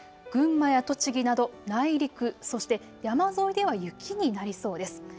群馬や栃木など内陸、そして山沿いでは雪になりそうです。